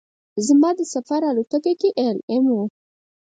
زما د سفر الوتکه کې ایل ایم وه.